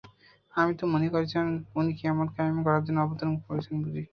আমি তো মনে করেছিলাম, উনি কিয়ামত কায়েম করার জন্য অবতরণ করেছেন বুঝি!